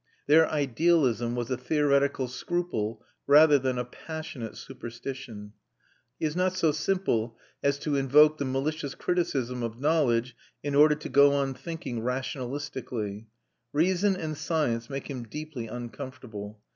Their idealism was a theoretical scruple rather than a passionate superstition. Not so M. Bergson; he is not so simple as to invoke the malicious criticism of knowledge in order to go on thinking rationalistically. Reason and science make him deeply uncomfortable.